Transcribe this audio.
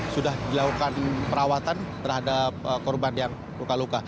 sudah dilakukan perawatan terhadap korban yang luka luka